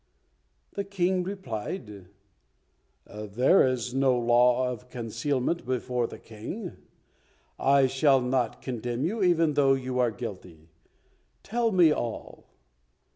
The King replied, saying, "There is no law of concealment before the King. I shall not condemn you even though you are guilty; tell me all."